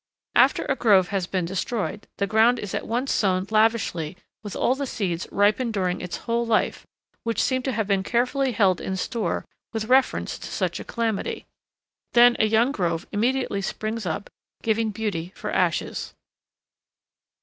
After a grove has been destroyed, the ground is at once sown lavishly with all the seeds ripened during its whole life, which seem to have been carefully held in store with reference to such a calamity. Then a young grove immediately springs up, giving beauty for ashes.